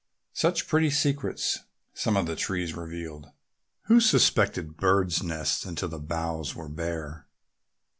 Such pretty secrets some of the trees revealed! Who suspected birds' nests until the boughs were bare?